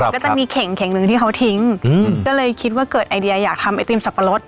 ก็จะมีเข่งหนึ่งที่เขาทิ้งก็เลยคิดว่าเกิดไอเดียอยากทำไอติมสับปะรด